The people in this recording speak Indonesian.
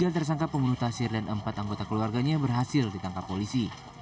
tiga tersangka pembunuh tasir dan empat anggota keluarganya berhasil ditangkap polisi